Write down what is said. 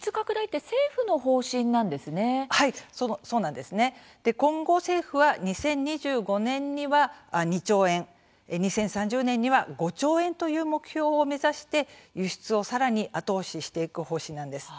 はいそうなんですね。今後政府は２０２５年には２兆円２０３０年には５兆円という目標を目指して輸出をさらに後押ししていく方針なんです。